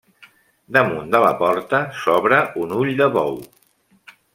Damunt de la porta s'obre un ull de bou.